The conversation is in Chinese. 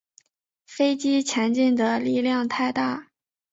飞机前进的力量太大